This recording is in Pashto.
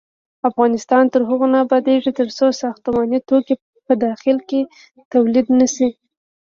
افغانستان تر هغو نه ابادیږي، ترڅو ساختماني توکي په داخل کې تولید نشي.